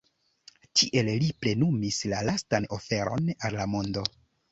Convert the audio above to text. Tiel li plenumis la lastan oferon al la mondo.